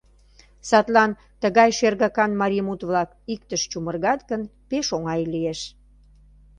Садлан тыгай шергакан марий мут-влак иктыш чумыргат гын, пеш оҥай лиеш.